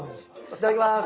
いただきます。